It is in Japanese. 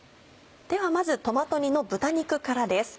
ではまずトマト煮の豚肉からです。